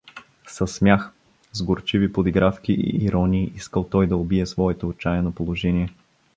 Със смях, с горчиви подигравки и иронии искал той да убие своето отчаяно положение.